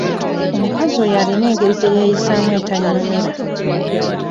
Omukazi oyo alina engeri gye yeeyisaamu etannyumira.